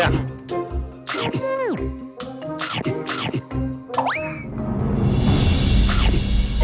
แหน่งหลวง